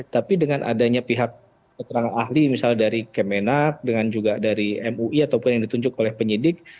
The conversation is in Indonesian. tapi dengan adanya pihak keterangan ahli misal dari kemenak dengan juga dari mui ataupun yang ditunjuk oleh penyidik